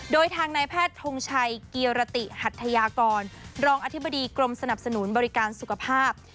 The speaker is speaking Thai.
โดยทางนายแพทย์ทงชัยเกียรติหัทยากรรองอธิบดีกรมสนับสนุนบริการสุขภาพ